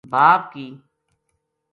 باپ ک